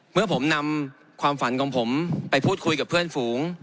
เมื่อผมนำความฝันของผมไปพูดคุยกับเพื่อนฝูง